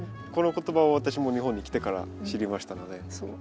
この言葉は私も日本に来てから知りましたので。